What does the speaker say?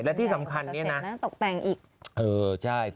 และที่สำคัญเนี่ยนะตกแต่งอีก